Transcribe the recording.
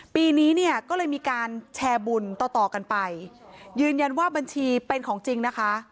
ปีนี้เนี่ยก็เลยมีการแชร์บุญต่อต่อกันไปยืนยันว่าบัญชีเป็นของจริงนะคะ